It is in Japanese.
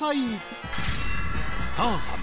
［スターさん。